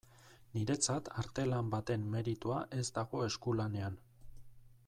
Niretzat artelan baten meritua ez dago eskulanean.